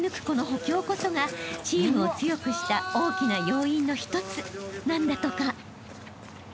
この補強こそがチームを強くした大きな要因の一つなんだとか］